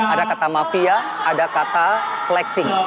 ada kata mafia ada kata flexing